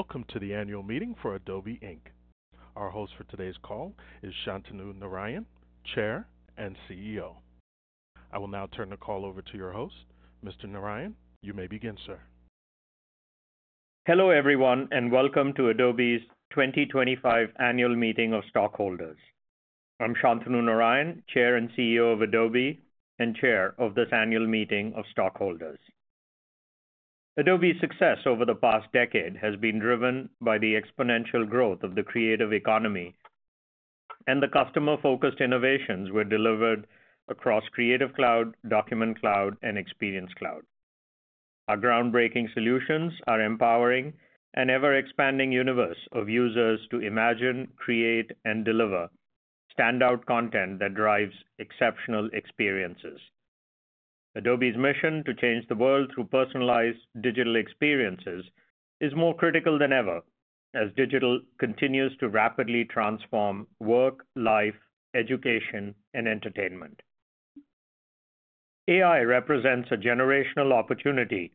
Welcome to the Annual Meeting for Adobe. Our host for today's call is Shantanu Narayen, Chair and CEO. I will now turn the call over to your host, Mr. Narayen. You may begin sir. Hello everyone and welcome to Adobe's 2025 Annual Meeting of Stockholders. I'm Shantanu Narayen, Chair and CEO of Adobe and Chair of this Annual Meeting of Stockholders. Adobe's success over the past decade has been driven by the exponential growth of the creative economy and the customer focused innovations we delivered across Creative Cloud, Document Cloud and Experience Cloud. Our groundbreaking solutions are empowering an ever expanding universe of users to imagine, create and deliver standout content that drives exceptional experiences. Adobe's mission to change the world through personalized digital experiences is more critical than ever as digital continues to rapidly transform work, life, education and entertainment. AI represents a generational opportunity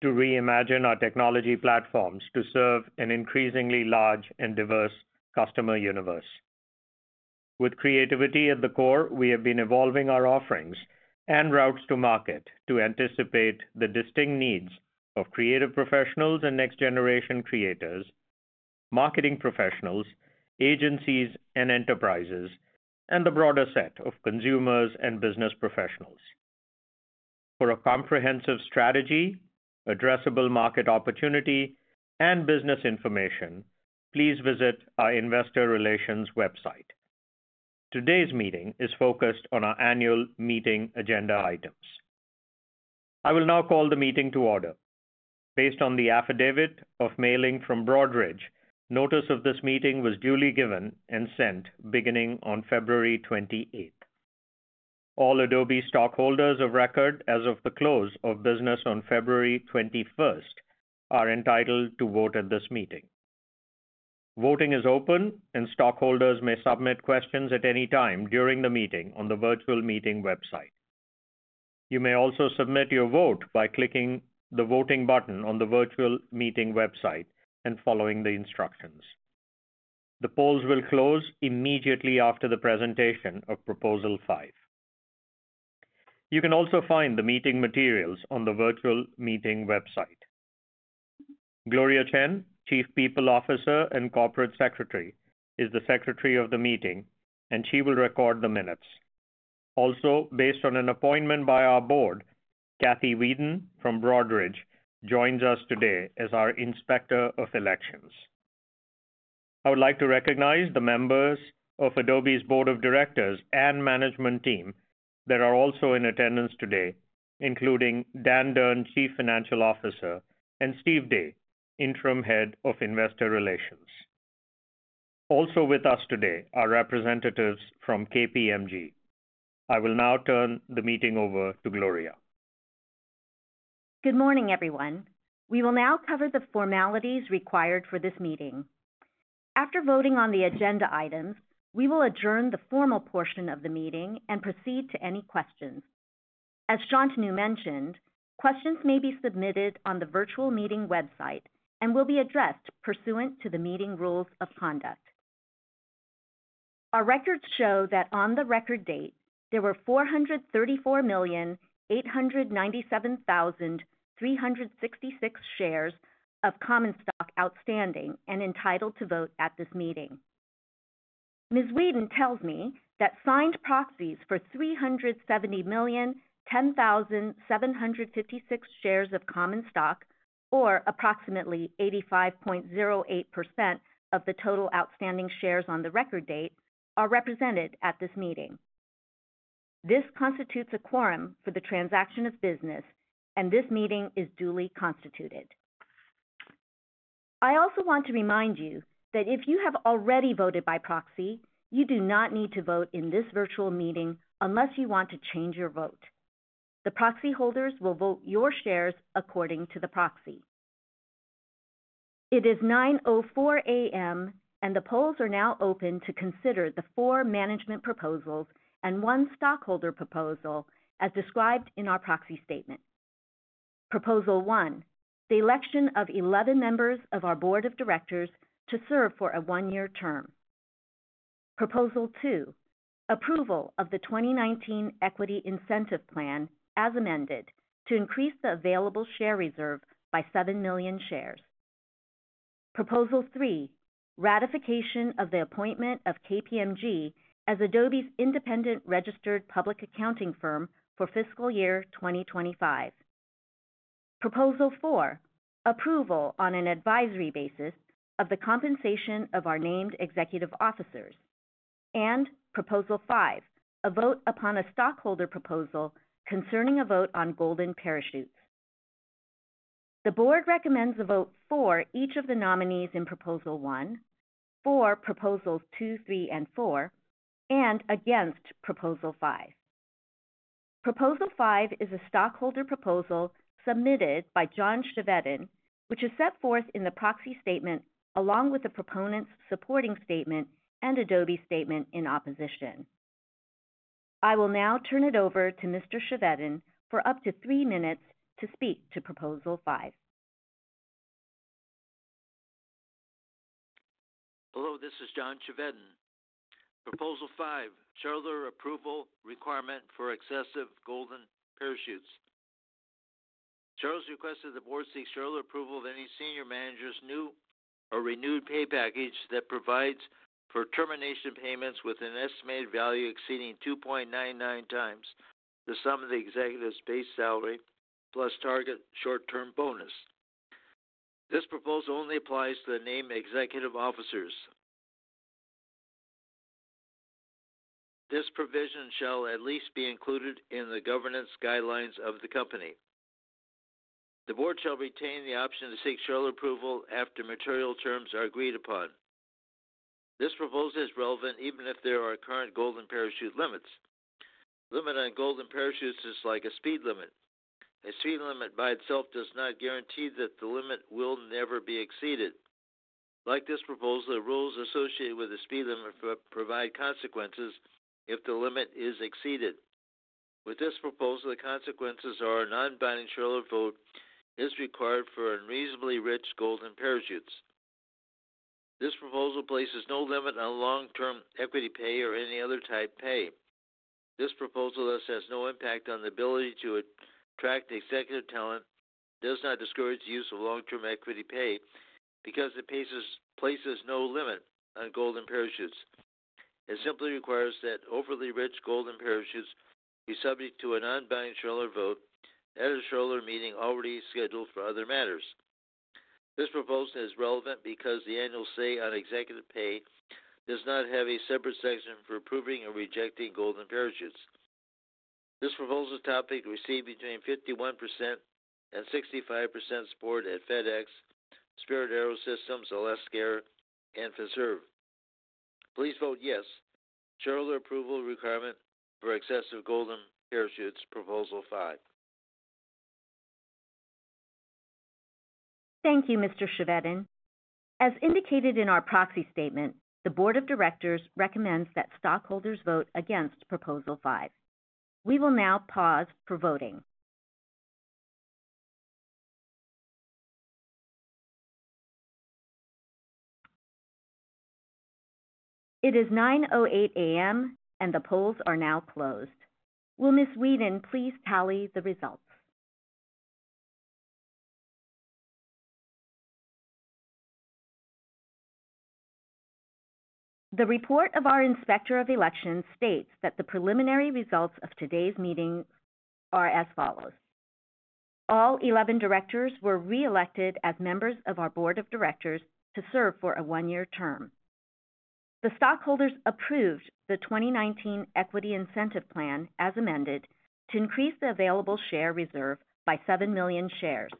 to reimagine our technology platforms to serve an increasingly large and diverse customer universe with creativity at the core. We have been evolving our offerings and routes to market to anticipate the distinct needs of creative professionals and next generation creators, marketing professionals, agencies and enterprises, and the broader set of consumers and business professionals. For a comprehensive strategy, addressable market opportunity and business information, please visit our investor relations website. Today's meeting is focused on our Annual Meeting agenda items. I will now call the meeting to order based on the affidavit of Mailing from Broadridge. Notice of this meeting was duly given and sent beginning on February 28th. All Adobe stockholders of record as of the close of business on February 21st are entitled to vote at this meeting. Voting is open and stockholders may submit questions at any time during the meeting on the virtual meeting website. You may also submit your vote by clicking the Voting button on the virtual meeting website and following the instructions. The polls will close immediately after the presentation of Proposal five. You can also find the meeting materials on the virtual meeting website. Gloria Chen, Chief People Officer and Corporate Secretary, is the Secretary of the meeting and she will record the minutes. Also based on an appointment by our board, Cathy Whedon from Broadridge joins us today as our Inspector of Elections. I would like to recognize the members of Adobe's Board of Directors and management team that are also in attendance today, including Dan Durn, Chief Financial Officer and Steve Day, Interim Head of Investor Relations. Also with us today are representatives from KPMG. I will now turn the meeting over to Gloria. Good morning everyone. We will now cover the formalities required for this meeting. After voting on the agenda items, we will adjourn the formal portion of the meeting and proceed to any questions. As Shantanu mentioned, questions may be submitted on the virtual meeting website and will be addressed pursuant to the Meeting Rules of Conduct. Our records show that on the record date there were 434,897,366 shares of common stock outstanding and entitled to vote at this meeting. Ms. Whedon tells me that signed proxies for 370,010,756 shares of common stock or approximately 85.08% of the total outstanding shares on the record date are represented at this meeting. This constitutes a quorum for the transaction of business and this meeting is duly constituted. I also want to remind you that if you have already voted by proxy, you do not need to vote in this virtual meeting unless you want to change your vote. The proxy holders will vote your shares according to the proxy. It is 9:04 A.M. and the polls are now open to consider the four management proposals and one stockholder proposal as described in our proxy statement. Proposal one the election of 11 members of our Board of Directors to serve for a one year term. Proposal two approval of the 2019 Equity Incentive Plan as amended to increase the available share reserve by 7,000,000 shares. Proposal three ratification of the appointment of KPMG as Adobe's independent registered public accounting firm for fiscal year 2025. Proposal four approval on an advisory basis of the compensation of our Named Executive Officers and Proposal five a vote upon a stockholder proposal concerning a vote on Golden Parachutes. The Board recommends a vote for each of the nominees in Proposal one, for Proposals two, three and four, and against Proposal five. Proposal five is a stockholder proposal submitted by John Chevedden which is set forth in the Proxy Statement along with the Proponent's supporting statement and Adobe Statement in opposition. I will now turn it over to Mr. Chevedden for up to three minutes to speak to Proposal. Hello, this is John Chevedden. Proposal five shareholder approval requirement for Excessive Golden Parachutes. Charles requested the Board seek shareholder approval of any senior manager's new or renewed pay package that provides for termination payments with an estimated value exceeding 2.99 times the sum of the executive's base salary plus target short term bonus. This proposal only applies to the named Executive Officers. This provision shall at least be included in the governance guidelines of the company. The Board shall retain the option to seek shareholder approval after material terms are agreed upon. This proposal is relevant even if there are current Golden Parachute limits. Limit on Golden Parachutes is like a speed limit. A speed limit by itself does not guarantee that the limit will never be exceeded. Like this proposal, the rules associated with the speed limit provide consequences. If the limit is exceeded with this proposal, the consequences are non-binding. Shareholder vote is required for unreasonably rich golden parachutes. This proposal places no limit on long-term equity pay or any other type pay. This proposal thus has no impact on the ability to attract executive talent, does not discourage the use of long-term equity pay because it places no limit on golden parachutes. It simply requires that overly rich golden parachutes be subject to a non-binding shareholder vote at a shareholder meeting already scheduled for other matters. This proposal is relevant because the annual say on executive pay 10 does not have a separate section for approving or rejecting golden parachutes. This proposal topic received between 51% and 65% support at FedEx, Spirit AeroSystems, Alaska Air and Fiserv. Please vote yes. Shareholder Approval Requirement for Excessive golden parachutes proposal five. Thank you Mr. Chevedden. As indicated in our proxy statement, the Board of Directors recommends that stockholders vote against Proposal five. We will now pause for voting. It is 9:08 A.M. and the polls are now closed. Will Ms. Whedon please tally the results? The report of our Inspector of Elections states that the preliminary results of today's meeting are as all 11 directors were re-elected as members of our Board of Directors to serve for a one year term. The stockholders approved the 2019 Equity Incentive Plan as amended and to increase the available share reserve by 7 million shares.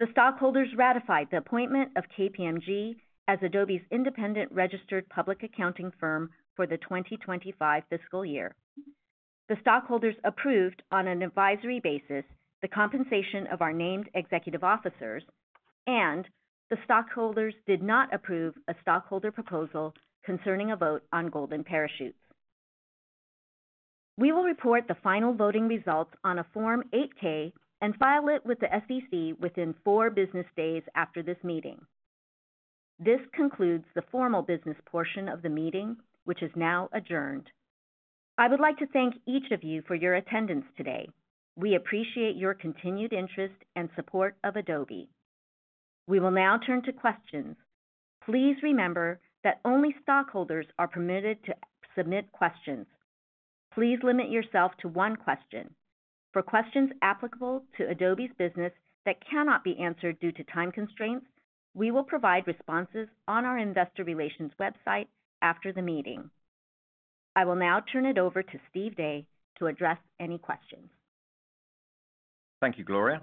The stockholders ratified the appointment of KPMG as Adobe's independent registered public accounting firm for the 2025 fiscal year. The stockholders approved on an advisory basis the compensation of our named executive officers and the stockholders did not approve a stockholder proposal concerning a vote on Golden Parachutes. We will report the final voting results on a Form 8-K and file it with the SEC within four business days after this meeting. This concludes the formal business portion of the meeting, which is now adjourned. I would like to thank each of you for your attendance today. We appreciate your continued interest and support of Adobe. We will now turn to questions. Please remember that only stockholders are permitted to submit questions. Please limit yourself to one question. For questions applicable to Adobe's business that cannot be answered due to time constraints, we will provide responses on our investor relations website after the meeting. I will now turn it over to Steve Day to address any questions. Thank you, Gloria.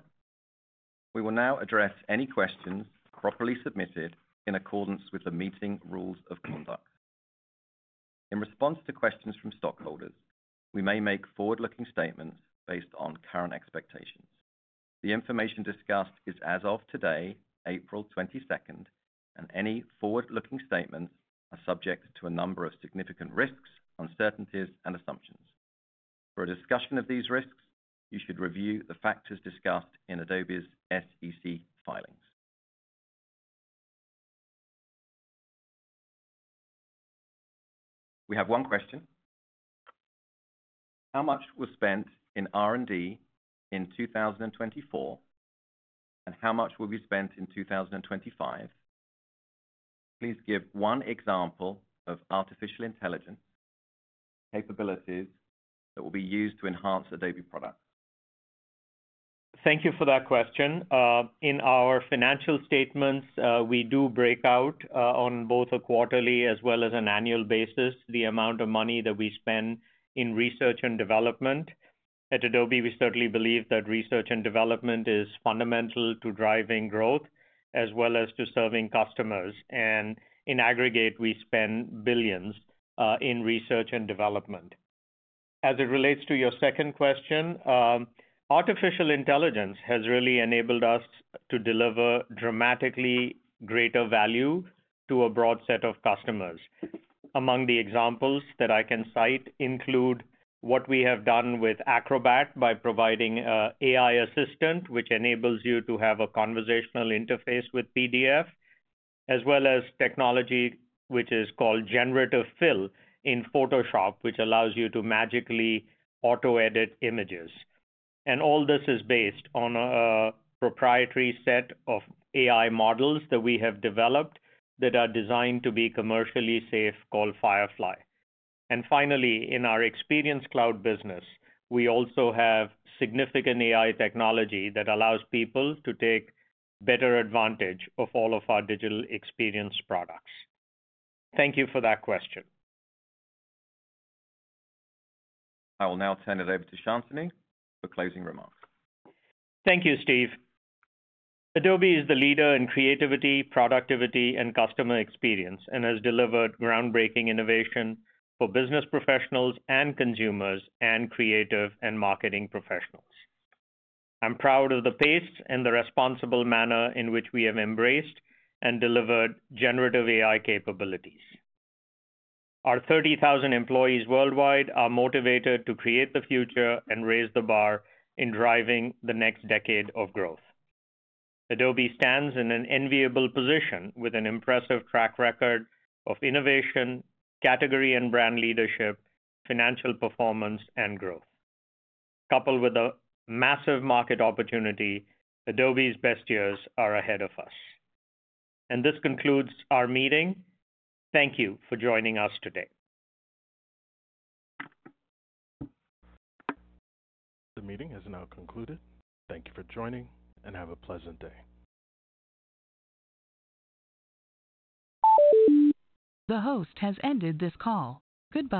We will now address any questions properly submitted in accordance with the meeting rules of conduct. In response to questions from stockholders, we may make forward looking statements based on current expectations. The information discussed is as of today, April 22nd, and any forward looking statements are subject to a number of significant risks, uncertainties, and assumptions. For a discussion of these risks, you should review the factors discussed in Adobe's SEC filings. We have one question. How much was spent in R&D in 2024 and how much will be spent in 2025? Please give one example of artificial intelligence capabilities that will be used to enhance Adobe products. Thank you for that question. In our financial statements we do break out on both a quarterly as well as an annual basis the amount of money that we spend in research and development at Adobe. We certainly believe that research and development is fundamental to driving growth as well as to serving customers, and in aggregate we spend billions in research and development. As it relates to your second question, artificial intelligence has really enabled us to deliver dramatically greater value to a broad set of customers. Among the examples that I can cite include what we have done with Acrobat by providing AI Assistant which enables you to have a conversational interface with PDF as well as technology which is called Generative Fill in Photoshop which allows you to magically auto edit images. All this is based on a proprietary set of AI models that we have developed that are designed to be commercially safe called Firefly. Finally, in our Experience Cloud business, we also have significant AI technology that allows people to take better advantage of all of our digital experience products. Thank you for that question. I will now turn it over to Shantanu for closing remarks. Thank you, Steve. Adobe is the leader in creativity, productivity, and customer experience and has delivered groundbreaking innovation for business professionals and consumers and creative and marketing professionals. I'm proud of the pace and the responsible manner in which we have embraced and delivered generative AI capabilities. Our 30,000 employees worldwide are motivated to create the future and raise the bar in driving the next decade of growth. Adobe stands in an enviable position with an impressive track record of innovation, category and brand leadership, financial performance, and growth coupled with a massive market opportunity. Adobe's best years are ahead of us, and this concludes our meeting. Thank you for joining us today. The meeting has now concluded. Thank you for joining and have a pleasant day. The host has ended this call. Goodbye.